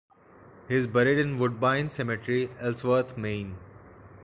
He is buried in Woodbine Cemetery, Ellsworth, Maine.